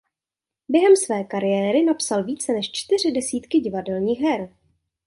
Během své kariéry napsal více než čtyři desítky divadelních her.